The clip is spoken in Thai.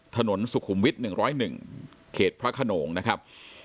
ถนนสุขุมวิทหนึ่งร้อยหนึ่งเขตพระขนงนะครับ